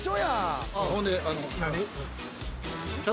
ほんで。